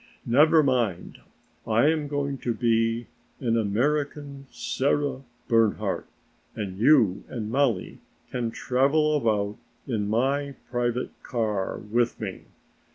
Never mind, I am going to be an American Sarah Bernhardt and you and Mollie can travel about in my private car with me.